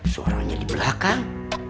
suaranya di belakang